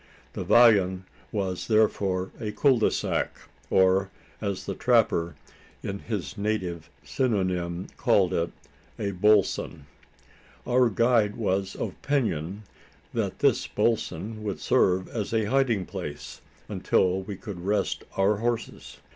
The vallon was therefore a cul de sac; or, as the trapper in his native synonyme called it, a bolson. Our guide was of opinion that this bolson would serve as a hiding place, until we could rest our horses.